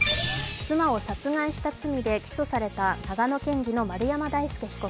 妻を殺害した罪で起訴された長野県議の丸山大輔被告。